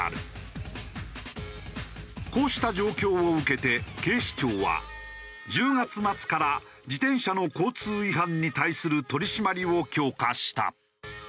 こうした状況を受けて警視庁は１０月末から自転車の交通違反に対する取り締まりを強化した。